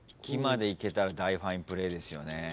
「き」までいけたら大ファインプレーですよね。